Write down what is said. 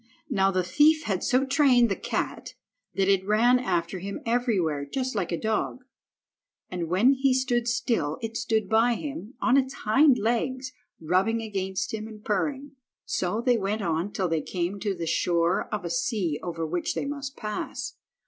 Now the thief had so trained the cat that it ran after him everywhere, just like a dog, and when he stood still it stood by him, on its hind legs, rubbing against him and purring. So they went on till they came to the shore of a sea over which they must pass.